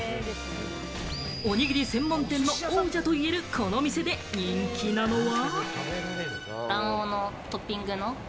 おにぎり専門店の王者と言えるこの店で、人気なのは。